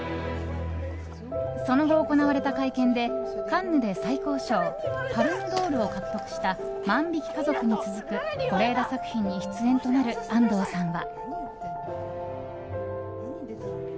その後、行われた会見でカンヌで最高賞パルム・ドールを獲得した「万引き家族」に続く是枝作品に出演となる安藤さんは。